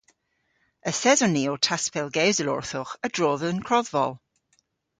Yth eson ni ow taspellgewsel orthowgh a-dro dhe'n krodhvol.